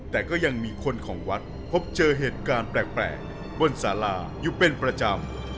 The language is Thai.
แต่ก็ยังมีคนของวัดพบเจอเหตุการณ์แปลกบนสาราอยู่เป็นประจำ